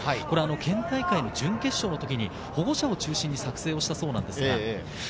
県大会準決勝の時に保護者を中心に作成したそうです。